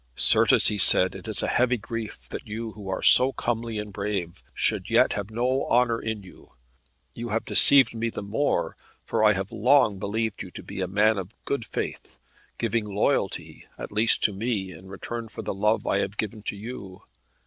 "Certes," he said, "it is a heavy grief that you who are so comely and brave, should yet have no honour in you. You have deceived me the more, for I have long believed you to be a man of good faith, giving loyalty, at least, to me, in return for the love I have given to you.